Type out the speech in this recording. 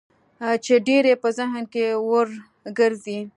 چې ډېر يې په ذهن کې ورګرځي.